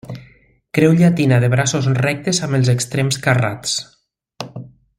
Creu llatina de braços rectes amb els extrems carrats.